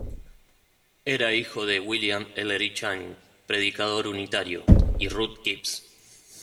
Era hijo de William Ellery Channing, predicador unitario, y Ruth Gibbs.